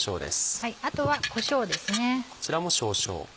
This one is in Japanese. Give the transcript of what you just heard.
あとはこしょうですね。